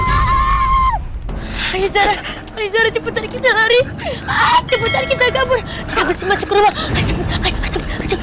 aizah aizah cepetan kita lari cepetan kita gabur masih masuk rumah